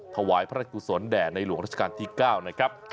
ถวายพระราชกุศลแด่ในหลวงราชการที่๙นะครับ